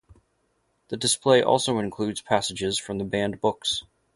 The display also includes passages from the banned books.